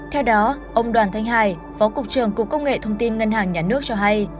theo đó ông đoàn thanh hải phó cục trưởng cục công nghệ thông tin ngân hàng nhà nước cho hay